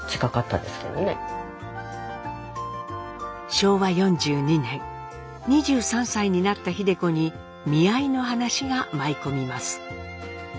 昭和４２年２３歳になった秀子に見合いの話が舞い込みます。